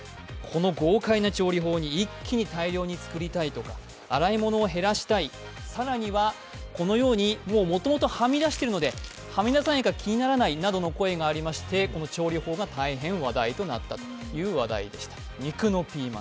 この豪快な調理法に、一気に大量に作りたい、洗い物を減らしたい、更にはこのようにもともとはみ出しているのではみ出さないか気にならないなどの声がありまして、この調理法が大変話題となったという話題でした。